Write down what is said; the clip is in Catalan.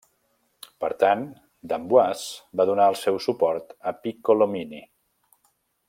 Per tant, d'Amboise va donar el seu suport a Piccolomini.